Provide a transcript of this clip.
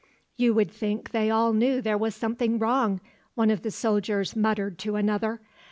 "You would think they all knew there was something wrong," one of the soldiers muttered to another.